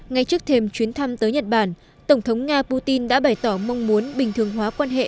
ngay trước thềm chuyến thăm tới nhật bản tổng thống nga putin đã bày tỏ mong muốn bình thường hóa quan hệ